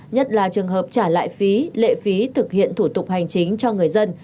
nhất là trường hợp trả lại phí lệ phí thực hiện thủ tục hành chính cho người dân